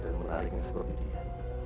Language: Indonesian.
dan menarik seperti dia